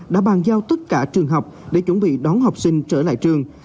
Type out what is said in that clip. đã bàn giao tất cả trường học để chuẩn bị đón học sinh trở lại trường